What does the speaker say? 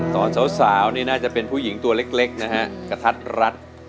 ตอนสาวนี่น่าจะเป็นผู้หญิงตัวเล็กคทัศน์รัฐ